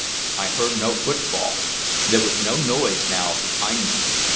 I had heard no footfall; there was no noise now behind me.